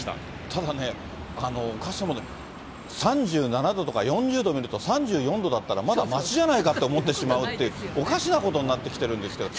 ただね、３７度とか４０度見ると、３４度だったらまだましじゃないかって思ってしまうっていう、おかしなことになってきてるんですけど。